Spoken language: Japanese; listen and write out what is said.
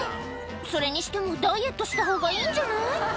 それにしてもダイエットしたほうがいいんじゃない？